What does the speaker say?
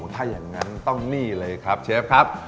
ถ้าอย่างนั้นต้องนี่เลยครับเชฟครับ